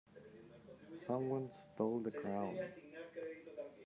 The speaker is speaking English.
Someone stole the crown!